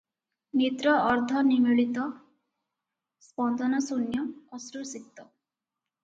ନେତ୍ର ଅର୍ଦ୍ଧ ନିମୀଳିତ, ସ୍ପନ୍ଦନ ଶୂନ୍ୟ, ଅଶ୍ରୁସିକ୍ତ ।